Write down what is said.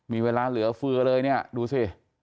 มีเวลาเหลือเฟือเลยดูสิ